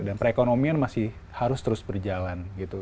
dan perekonomian masih harus terus berjalan gitu